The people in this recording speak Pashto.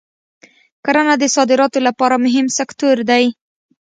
کرنه د صادراتو لپاره مهم سکتور دی.